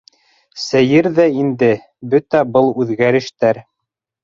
Сәйер ҙә инде бөтә был үҙгәрештәр!